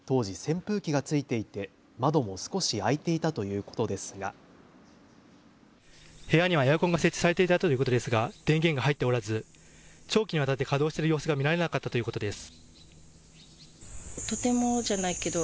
当時、扇風機がついていて窓も少し開いていたということですが部屋にはエアコンが設置されていたということですが電源が入っておらず長期にわたって稼働している様子が見られなかったということです。